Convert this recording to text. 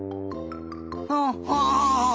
ほっほ。